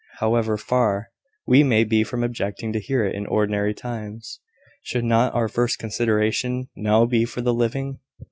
However far we may be from objecting to hear it in ordinary times, should not our first consideration now be for the living?